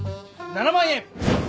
７万円。